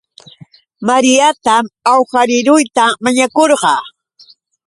Mariatam awhariieruta mañakurqaa